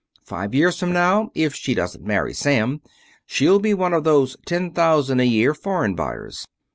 Five years from now, if she doesn't marry Sam, she'll be one of those ten thousand a year foreign buyers.